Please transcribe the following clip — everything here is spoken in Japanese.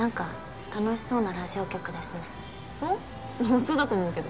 普通だと思うけど。